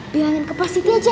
bilangin ke pak siti aja